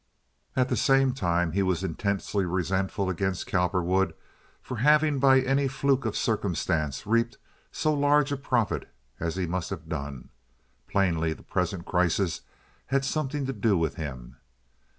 At the same time he was intensely resentful against Cowperwood for having by any fluke of circumstance reaped so large a profit as he must have done. Plainly, the present crisis had something to do with him.